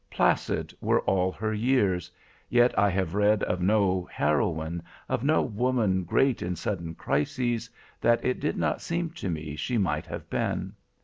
Placid were all her years; yet I have read of no heroine, of no woman great in sudden crises, that it did not seem to me she might have been.